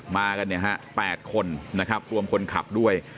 มากันเนี่ยฮะ๘คนนะครับรวมคนขับด้วย